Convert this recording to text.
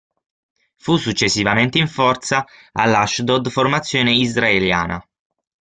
Fu successivamente in forza all'Ashdod, formazione israeliana.